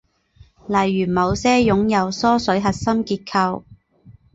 例如某些拥有疏水核心结构。